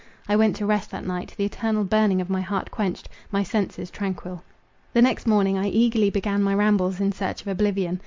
I went to rest that night; the eternal burning of my heart quenched,—my senses tranquil. The next morning I eagerly began my rambles in search of oblivion.